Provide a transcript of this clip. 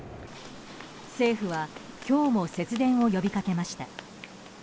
政府は今日も節電を呼びかけました。